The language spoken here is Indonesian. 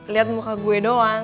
liat muka gue doang